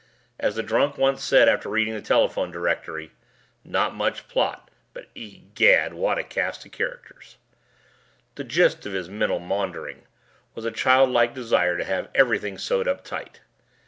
As the drunk once said after reading the Telephone Directory: "Not much plot, but egad! What a cast of characters!" The gist of his mental maundering was a childlike desire to have everything sewed up tight.